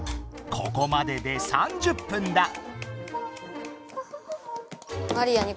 ここまでで３０分だ。